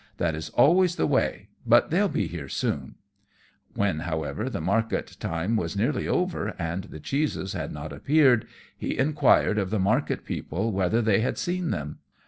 That is always the way, but they'll be here soon." When, however, the market time was nearly over, and the cheeses had not appeared, he inquired of the market people whether they had seen them.